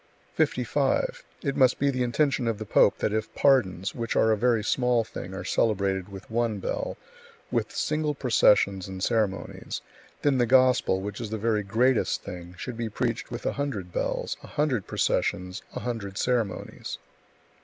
55. It must be the intention of the pope that if pardons, which are a very small thing, are celebrated with one bell, with single processions and ceremonies, then the Gospel, which is the very greatest thing, should be preached with a hundred bells, a hundred processions, a hundred ceremonies.